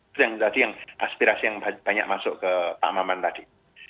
itu yang tadi yang aspirasi yang banyak masuk ke pak maman tadi